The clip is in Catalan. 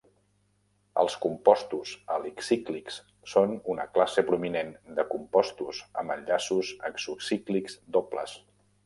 Els compostos alicíclics són una classe prominent de compostos amb enllaços exocíclics dobles.